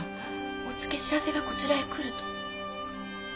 おっつけ知らせがこちらへ来ると。